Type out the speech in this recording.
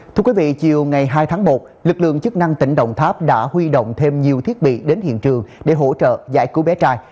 thưa quý vị chiều ngày hai tháng một lực lượng chức năng tỉnh đồng tháp đã huy động thêm nhiều thiết bị đến hiện trường để hỗ trợ giải cứu bé trai